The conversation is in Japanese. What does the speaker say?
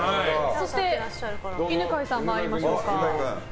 そして、犬飼さん参りましょうか。